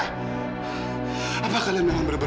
gimana kalau kalau orang orang lemah versenang